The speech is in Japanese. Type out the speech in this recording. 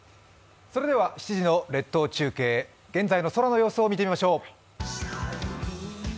７時の列島中継、現在の空の様子を見てみましょう。